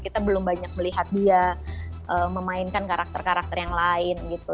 kita belum banyak melihat dia memainkan karakter karakter yang lain gitu